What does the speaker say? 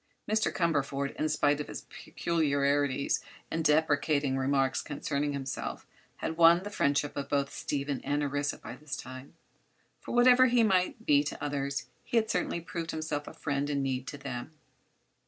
Mr. Cumberford, in spite of his peculiarities and deprecating remarks concerning himself had won the friendship of both Stephen and Orissa by this time; for whatever he might be to others he had certainly proved himself a friend in need to them.